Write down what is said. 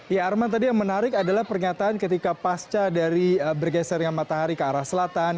ya arman tadi yang menarik adalah pernyataan ketika pasca dari bergesernya matahari ke arah selatan